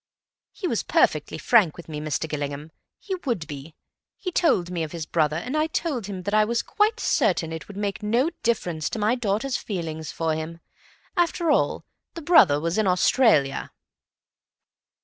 He was perfectly frank with me, Mr. Gillingham. He would be. He told me of this brother, and I told him that I was quite certain it would make no difference to my daughter's feelings for him.... After all, the brother was in Australia."